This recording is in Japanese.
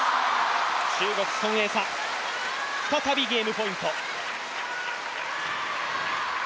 中国、孫エイ莎、再びゲームポイント。